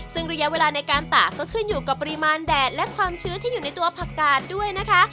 ซึ่งระยะเวลาในการตากก็ขึ้นอยู่กับปริมาณแดดและความชื้นที่อยู่ในตัวผักกาดด้วยนะคะ